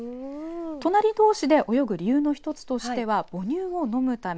隣どうしで泳ぐ理由の一つとしては母乳を飲むため。